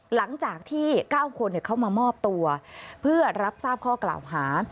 หลังจากที่๙คนเข้ามามอบตัวเพื่อรับทราบข้อกล่าวหา